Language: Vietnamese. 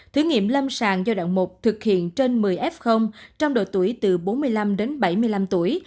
thử nghiệm lâm sàng giai đoạn một thực hiện trên một mươi f trong độ tuổi từ bốn mươi năm đến bảy mươi năm tuổi